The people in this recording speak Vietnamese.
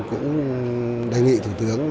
cũng đề nghị thủ tướng